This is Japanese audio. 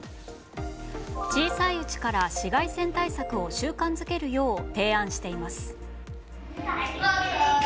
小さいうちから紫外線対策を習慣づけるよう提案しています。